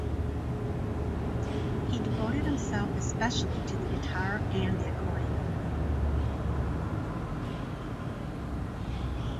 He devoted himself especially to the guitar and the accordion.